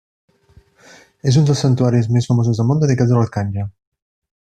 És un dels santuaris més famosos del món dedicats a l'arcàngel.